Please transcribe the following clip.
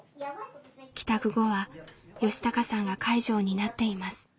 帰宅後は良貴さんが介助を担っています。